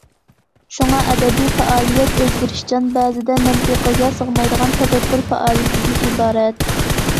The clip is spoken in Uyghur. شۇڭا ئەدەبىي پائالىيەت ئۆزگىرىشچان، بەزىدە مەنتىقىگە سىغمايدىغان تەپەككۇر پائالىيىتىدىن ئىبارەت.